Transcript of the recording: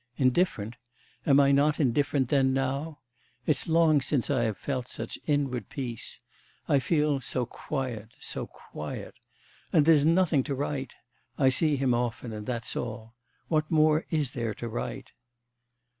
Indifferent? Am I not indifferent then now?... It's long since I have felt such inward peace. I feel so quiet, so quiet. And there's nothing to write? I see him often and that's all. What more is there to write?